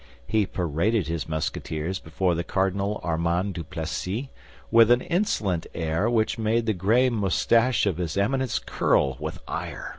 He paraded his Musketeers before the Cardinal Armand Duplessis with an insolent air which made the gray moustache of his Eminence curl with ire.